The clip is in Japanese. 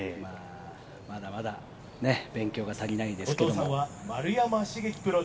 まだまだ、勉強が足りないですけども。